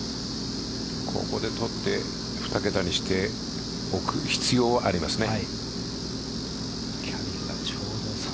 ここでとって２桁にしておく必要はありますね。